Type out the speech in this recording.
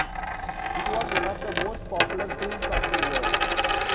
It was one of the most popular films of the year.